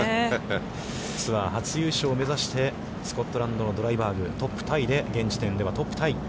ツアー初優勝を目指して、スコットランドのドライバーグ、トップタイで、現時点ではトップタイ。